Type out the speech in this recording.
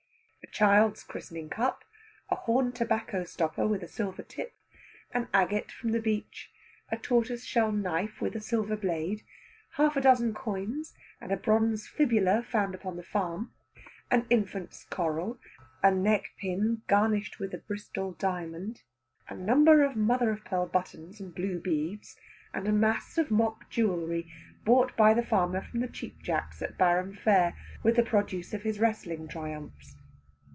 a child's christening cup, a horn tobacco stopper with a silver tip, an agate from the beach, a tortoise shell knife with a silver blade, half a dozen coins and a bronze fibula found upon the farm, an infant's coral, a neck pin garnished with a Bristol diamond, a number of mother of pearl buttons and blue beads, and a mass of mock jewelry bought by the farmer from the Cheapjacks at Barum fair with the produce of his wrestling triumphs.